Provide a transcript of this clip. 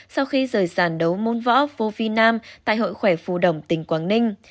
sau khi rời sàn đấu môn võ vô vi nam tại hội khỏe phù đồng tỉnh quảng ninh